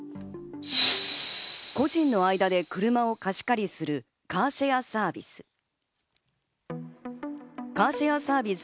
個人の間で車を貸し借りするカーシェアサービス。